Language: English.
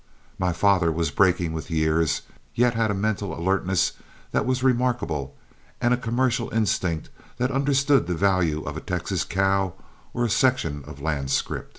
My father was breaking with years, yet had a mental alertness that was remarkable and a commercial instinct that understood the value of a Texas cow or a section of land scrip.